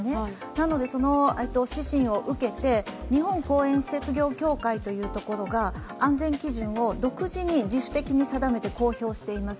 なのでその指針を受けて、日本公園施設業協会というところが、安全基準を独自に自主的に定めて公表をしています。